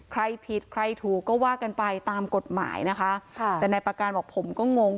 ใครผิดใครถูกก็ว่ากันไปตามกฎหมายนะคะค่ะแต่นายประการบอกผมก็งง